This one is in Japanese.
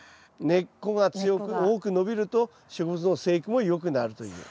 根っこが強く多く伸びると植物の生育もよくなるという。